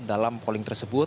dalam polling tersebut